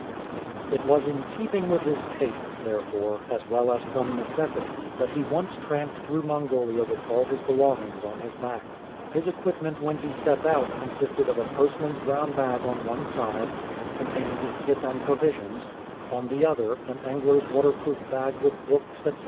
It was in keeping with his tastes, therefore, as well as from necessity, that he once tramped through Mongolia with all his belongings on his back. His equipment when he set out consisted of a postman's brown bag on one side, containing his kit and provisions ; on the other an angler''s waterproof bag with books, etc.